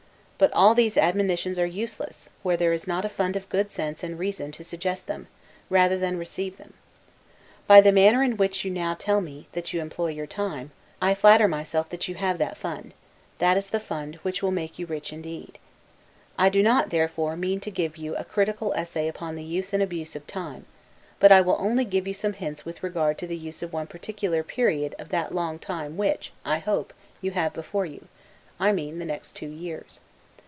But all these admonitions are useless, where there is not a fund of good sense and reason to suggest them, rather than receive them. By the manner in which you now tell me that you employ your time, I flatter myself that you have that fund; that is the fund which will make you rich indeed. I do not, therefore, mean to give you a critical essay upon the use and abuse of time; but I will only give you some hints with regard to the use of one particular period of that long time which, I hope, you have before you; I mean, the next two years.